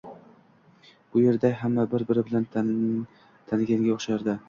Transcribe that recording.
Bu erda hamma bir-biri bilan taniganga o`xshardi